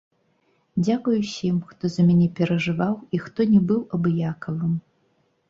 Дзякуй усім, хто за мяне перажываў і хто не быў абыякавым!